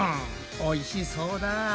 おいしそうだ。